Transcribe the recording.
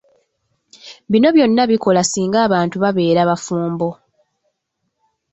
Bino byonna bikola singa abantu babeera bafumbo.